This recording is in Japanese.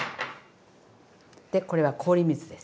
でこれは氷水です。